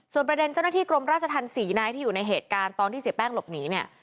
ประเด็นเจ้าหน้าที่กรมราชธรรม๔นายที่อยู่ในเหตุการณ์ตอนที่เสียแป้งหลบหนีเนี่ย